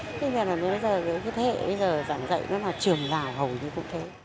thế nên là bây giờ cái thế hệ bây giờ giảng dạy nó là trường rào hầu như cũng thế